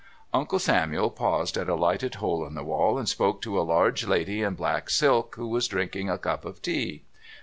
Uncle Samuel paused at a lighted hole in the wall and spoke to a large lady in black silk who was drinking a cup of tea.